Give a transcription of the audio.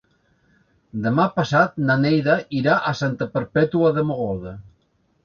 Demà passat na Neida irà a Santa Perpètua de Mogoda.